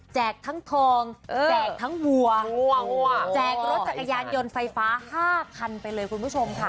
ทั้งทองแจกทั้งวัวแจกรถจักรยานยนต์ไฟฟ้า๕คันไปเลยคุณผู้ชมค่ะ